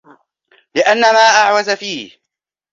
لِأَنَّ مَا أَعْوَزَ فِيهِ